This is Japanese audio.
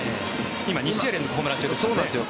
今、２試合連続ホームラン中ですからね。